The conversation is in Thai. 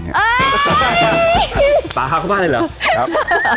ป๊าขาวเข้าบ้านเลยหรอ